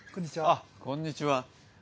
あっこんにちは。